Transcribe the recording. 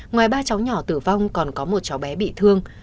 ngoài ba cháu nhỏ tử vong còn có một cháu bé bị thương